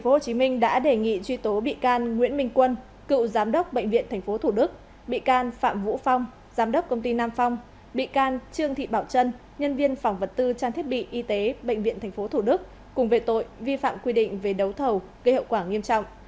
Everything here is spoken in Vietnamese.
tp hcm đã đề nghị truy tố bị can nguyễn minh quân cựu giám đốc bệnh viện tp thủ đức bị can phạm vũ phong giám đốc công ty nam phong bị can trương thị bảo trân nhân viên phòng vật tư trang thiết bị y tế bệnh viện tp thủ đức cùng về tội vi phạm quy định về đấu thầu gây hậu quả nghiêm trọng